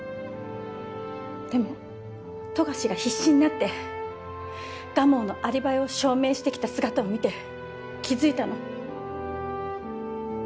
でも富樫が必死になって蒲生のアリバイを証明してきた姿を見て気づいたの。